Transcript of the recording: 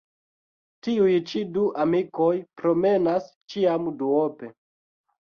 Tiuj ĉi du amikoj promenas ĉiam duope.